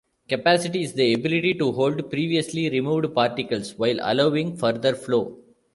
"Capacity" is the ability to "hold" previously removed particles, while allowing further flow.